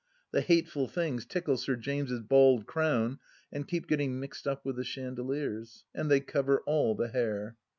The hateful things tickle Sir James' bald crown and keep getting mixed up with the chandeliers. And they cover all the hair.